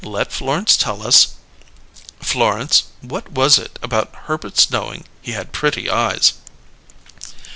"Let Florence tell us. Florence, what was it about Herbert's knowing he had 'pretty eyes'?"